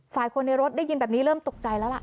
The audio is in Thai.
คนในรถได้ยินแบบนี้เริ่มตกใจแล้วล่ะ